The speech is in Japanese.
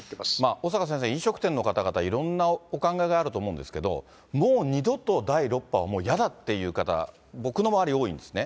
小坂先生、飲食店の方々、いろんなお考えがあると思うんですけれども、もう二度と第６波はもうやだっていう方、僕の周り、多いんですね。